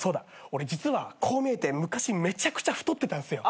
俺実はこう見えて昔めちゃくちゃ太ってたんすよ。